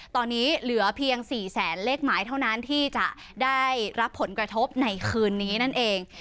ตอนนี้เหลือเพียง๔แสนเลขหมายเท่านั้นที่จะได้รับผลกระทบในคืนนี้นั่นเอง